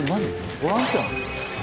ボランティアの人？